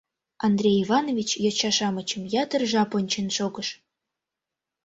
Андрей Иваныч йоча-шамычым ятыр жап ончен шогыш.